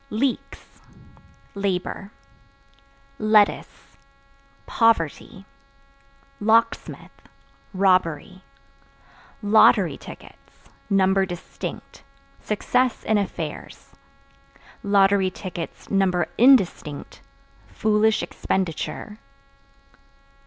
Leeks Labor. Lettuce Poverty. Locksmith Robbery. Lottery Tickets (Number distinct) success in affairs; (number indistinct) foolish expenditure.